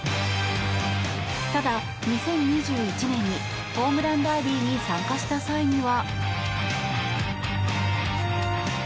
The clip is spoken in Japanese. ただ、２０２１年にホームランダービーに参加した際には。